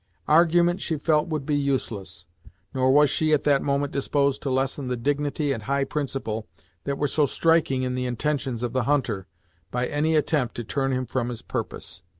Argument, she felt, would be useless, nor was she at that moment disposed to lessen the dignity and high principle that were so striking in the intentions of the hunter, by any attempt to turn him from his purpose.